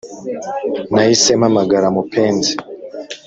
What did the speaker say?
nahise mpamagara mupenzi